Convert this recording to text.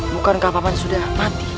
bukankah paman sudah mati